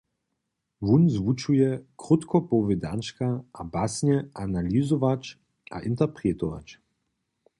Wón zwučuje krótkopowědančka a basnje analyzować a interpretować.